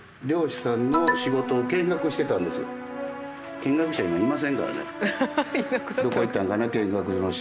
見学者は今いませんからね。